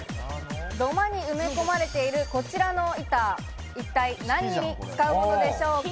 土間に埋め込まれているこちらの板、一体何に使うものでしょうか？